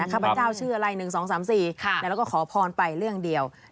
ข้าพเจ้าชื่ออะไร๑๒๓๔แล้วก็ขอพรไปเรื่องเดียว